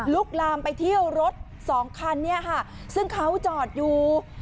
ลามไปเที่ยวรถสองคันเนี่ยค่ะซึ่งเขาจอดอยู่